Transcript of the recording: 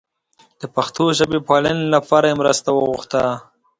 د پښتو ژبې پالنې لپاره یې مرسته وغوښتله.